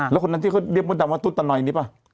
แล้วคนนั้นเขาเรียกปุ๊บดำว่าตุ๊ตโนยนี่เป้า